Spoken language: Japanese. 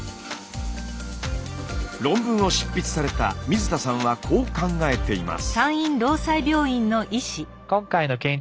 論文を執筆された水田さんはこう考えています。